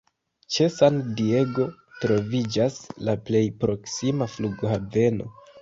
Ĉe San Diego troviĝas la plej proksima flughaveno.